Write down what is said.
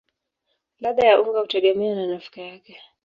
Ladha ya unga hutegemea na nafaka yake.